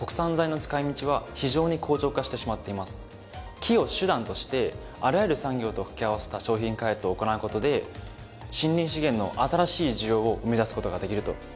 木を手段としてあらゆる産業とかけ合わせた商品開発を行う事で森林資源の新しい需要を生み出す事ができると。